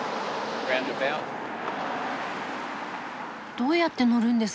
どうやって乗るんですか？